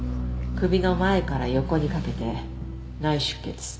首の前から横にかけて内出血。